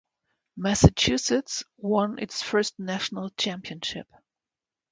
Massachusetts won its first national championship.